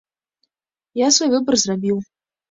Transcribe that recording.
Я свой выбар зрабіў.